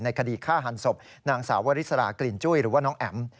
คดีฆ่าหันศพนางสาววริสรากลิ่นจุ้ยหรือว่าน้องแอ๋ม